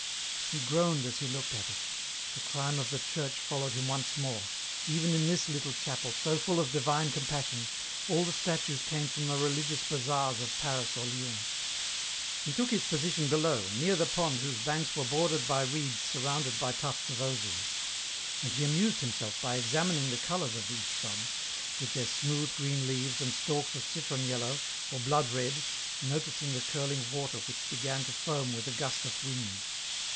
He groaned as he looked at it. The crime of the chureh followed him once more ; even in this little chapel so full of divine compassion, all the statues came from the religious bazaars of Paris or Lyons. He took his position below, near the pond whose banks were bordered by reeds surrounded by tufts of osiers ; and he amused himself by examining the colours of these shrubs, with their smooth green leaves and stalks of citron yellow, or blood red, noticing the curling water which began to foam with a gust of wind.